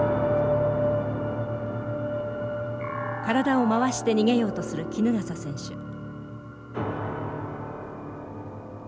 体を回して逃げようとする衣笠選手。